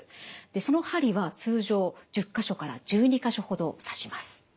その針は通常１０か所から１２か所ほど刺します。